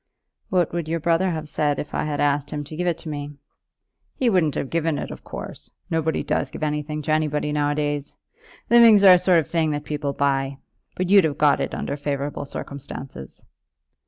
"What would your brother have said if I had asked him to give it to me?" "He wouldn't have given it of course. Nobody does give anything to anybody now a days. Livings are a sort of thing that people buy. But you'd have got it under favourable circumstances."